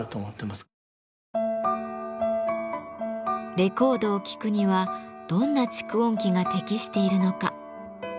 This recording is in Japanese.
レコードを聴くにはどんな蓄音機が適しているのか。